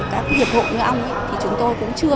các hiệp hội như ông thì chúng tôi cũng chưa